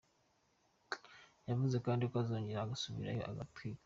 Yavuze kandi ko azongera agasubirayo agatwita.